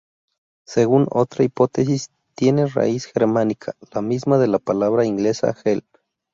Según otra hipótesis, tiene raíz germánica, la misma de la palabra inglesa "help".